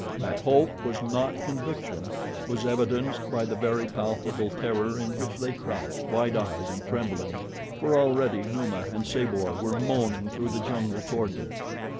That hope was not conviction was evidenced by the very palpable terror in which they crouched, wide eyed and trembling, for already Numa and Sabor were moaning through the jungle toward them.